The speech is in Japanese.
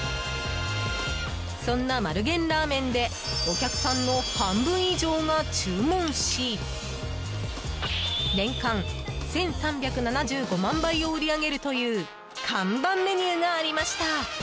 そんな丸源ラーメンでお客さんの半分以上が注文し年間１３７５万杯を売り上げるという看板メニューがありました。